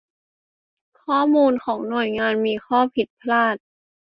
ข้อมูลของหน่วยงานมีข้อผิดพลาด